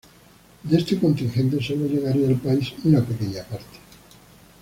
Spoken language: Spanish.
De este contingente sólo llegaría al país una pequeña parte.